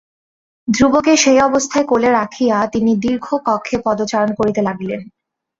ধ্রুবকে সেই অবস্থায় কোলে রাখিয়া তিনি দীর্ঘ কক্ষে পদচারণ করিতে লাগিলেন।